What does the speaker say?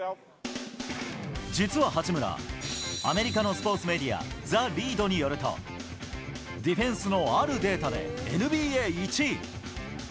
実は八村、アメリカのスポーツメディア、ザ・リードによると、ディフェンスのあるデータでＮＢＡ１位。